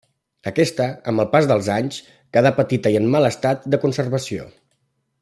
Aquesta, amb el pas dels anys, quedà petita i en mal estat de conservació.